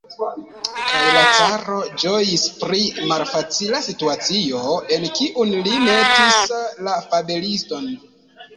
Kaj la caro ĝojis pri malfacila situacio, en kiun li metis la fabeliston.